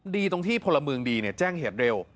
ดีตรงที่พลเมืองดีแจ้งเหตุเร็ว